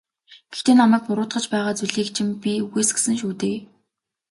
Гэхдээ намайг буруутгаж байгаа зүйлийг чинь би үгүйсгэсэн шүү дээ.